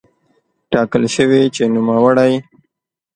ټاکل شوې چې نوموړی